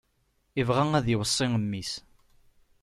Ibɣa ad iweṣṣi mmi-s.